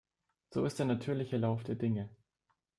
So ist der natürliche Lauf der Dinge.